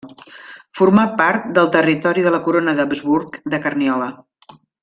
Formà part del territori de la corona d'Habsburg de Carniola.